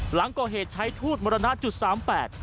หลังก็เหตุใช้ทูตมรณาจุด๓๘